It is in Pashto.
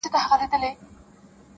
• کفن په غاړه ګرځومه قاسم یاره پوه یم..